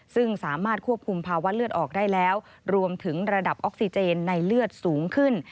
ซึ่งสามารถควบคุมภาวะเลือดออกได้แล้วรวมถึงระดับออกซิเจนในเลือดสูงขึ้น